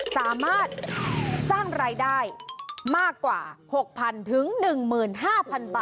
สามารถสร้างรายได้มากกว่า๖๐๐๐ถึง๑๕๐๐๐บาท